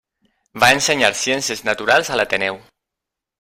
Va ensenyar ciències naturals a l'Ateneu.